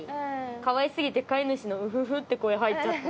可愛すぎて飼い主の『ンフフッ』て声入っちゃった」。